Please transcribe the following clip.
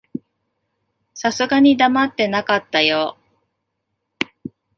さすがに黙ってなかったよ。